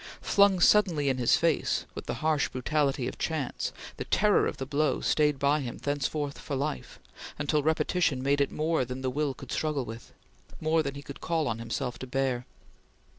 Flung suddenly in his face, with the harsh brutality of chance, the terror of the blow stayed by him thenceforth for life, until repetition made it more than the will could struggle with; more than he could call on himself to bear.